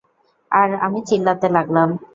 আর আমি চিল্লাতে লাগলাম।